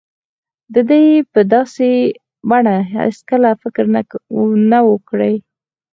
ده يې په داسې بڼه هېڅکله فکر نه و کړی.